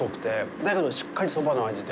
だけど、しっかりそばの味で。